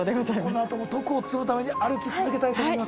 このあとも徳を積むために歩き続けたいと思います